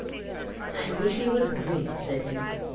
"I wish he would hurry," said he.